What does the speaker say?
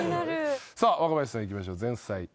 さあ若林さんいきましょう前菜。